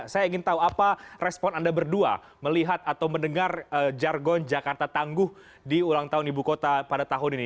saya ingin tahu apa respon anda berdua melihat atau mendengar jargon jakarta tangguh di ulang tahun ibu kota pada tahun ini